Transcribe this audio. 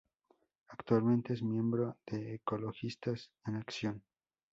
Actualmente es miembro de Ecologistas en Acción.